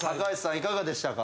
いかがでしたか？